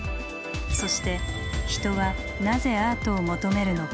そして人はなぜアートを求めるのか。